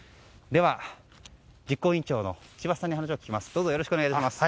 では、実行委員長の石橋さんにお話を聞きます。